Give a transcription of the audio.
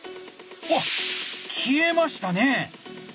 うわっ消えましたね！